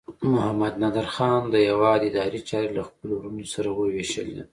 محمد نادر خان د هیواد اداري چارې له خپلو وروڼو سره وویشلې.